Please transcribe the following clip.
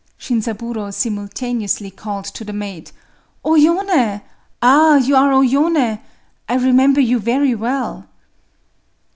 Shinzaburō simultaneously called to the maid:—"O Yoné! Ah, you are O Yoné!—I remember you very well."